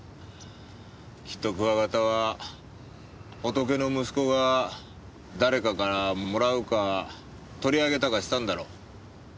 きっとクワガタはホトケの息子が誰かからもらうか取り上げたかしたんだろ。